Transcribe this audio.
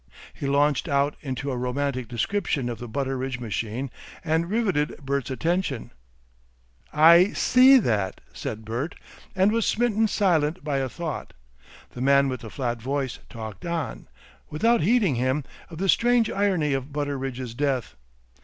He launched out into a romantic description of the Butteridge machine and riveted Bert's attention. "I SEE that," said Bert, and was smitten silent by a thought. The man with the flat voice talked on, without heeding him, of the strange irony of Butteridge's death.